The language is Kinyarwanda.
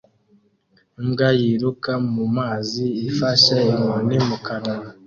Imbwa yiruka mu mazi ifashe inkoni mu kanwa